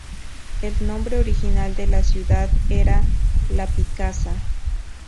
El nombre original de la ciudad era "La Picasa".